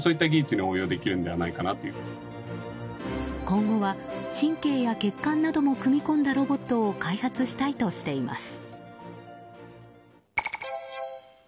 今後は、神経や血管なども組み込んだロボットを開発したいとしています。